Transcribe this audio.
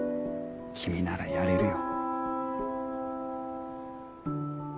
君ならやれるよ。